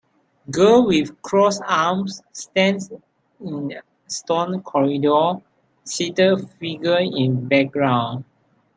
Girl with crossed arms stands in stone corridor, seated figure in background.